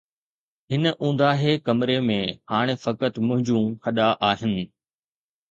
هن اونداهي ڪمري ۾ هاڻي فقط منهنجون هڏا آهن